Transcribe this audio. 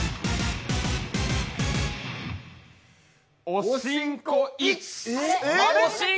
おしんこ１。